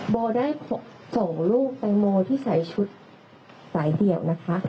โบได้ส่งลูกแตงโมที่ใส่ชุดสายเดี่ยวนะคะ